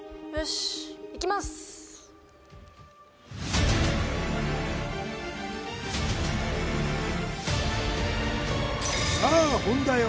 しいきますさあ本田よ